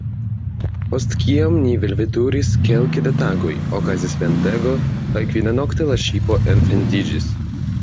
Post kiam ni velveturis kelke da tagoj, okazis ventego, kaj kvinanokte la ŝipo enfendiĝis.